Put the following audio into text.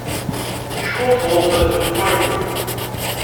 Ckunṭḍent deg ufarku.